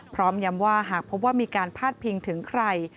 พร้อมย้ำว่าหากพบว่ามีการพาดพิงถึงใคร